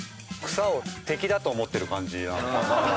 草を敵だと思ってる感じ。